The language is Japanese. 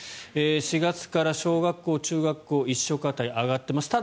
４月から小学校、中学校１食当たり上がっています。